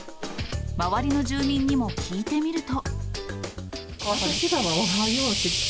周りの住民にも聞いてみると。